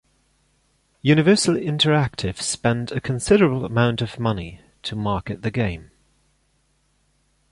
Universal Interactive spent a considerable amount of money to market the game.